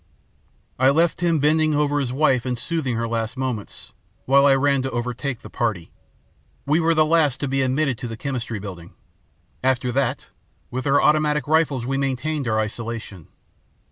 "I left him bending over his wife and soothing her last moments, while I ran to overtake the party. We were the last to be admitted to the Chemistry Building. After that, with our automatic rifles we maintained our isolation.